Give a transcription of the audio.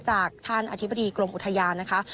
จากท่านอธิบดีกรมอุทยานนะคะ